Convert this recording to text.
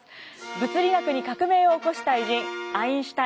物理学に革命を起こした偉人アインシュタイン。